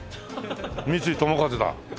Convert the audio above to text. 「三ツ井友和」だ。